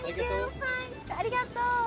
はいありがとう。